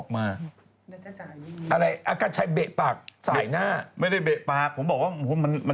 แต่แต่คนใหม่นี้เราก็ไม่รู้น่ะ